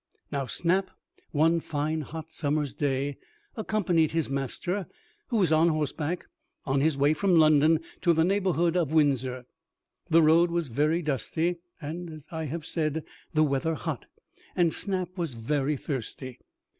Now Snap one fine, hot, summer's day, accompanied his master, who was on horseback, on his way from London to the neighbourhood of Windsor. The road was very dusty, and, as I have said, the weather hot, and Snap was very thirsty.